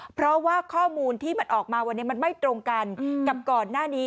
เพราะว่าข้อมูลที่มันออกมาวันนี้มันไม่ตรงกันกับก่อนหน้านี้